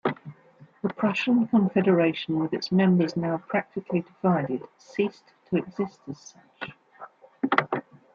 The Prussian Confederation, with its members now practically divided, ceased to exist as such.